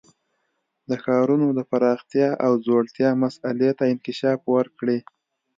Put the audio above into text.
د ښارونو د پراختیا او ځوړتیا مسئلې ته انکشاف ورکړي.